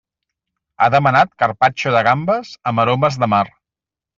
Ha demanat carpaccio de gambes amb aromes de mar.